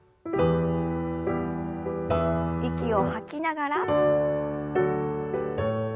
息を吐きながら。